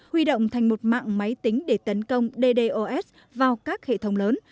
huy động thành một mạng máy tính để tấn công ddos vào các hệ thống lớn